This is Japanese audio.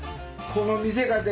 この店がね